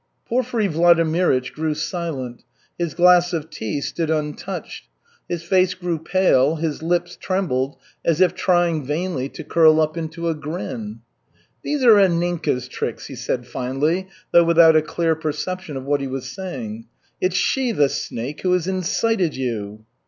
Porfiry Vladimirych grew silent. His glass of tea stood untouched. His face grew pale, his lips trembled, as if trying vainly to curl up into a grin. "These are Anninka's tricks," he said finally, though without a clear perception of what he was saying. "It's she, the snake, who has incited you."